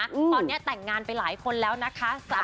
ตอนนี้แต่งงานไปหลายคนแล้วนะคะ